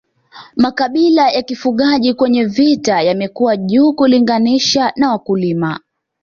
Makabila ya kifugaji kwenye vita yamekuwa juu kulinganisha na wakulima